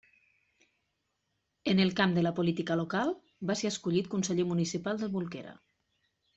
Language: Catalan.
En el camp de la política local, va ser escollit conseller municipal de Bolquera.